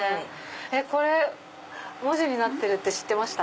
これ文字になってるって知ってました？